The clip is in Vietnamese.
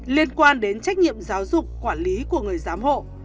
liên quan đến trách nhiệm giáo dục quản lý của người giám hộ